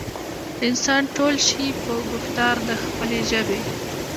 انسان تول شي پۀ ګفتار د خپلې ژبې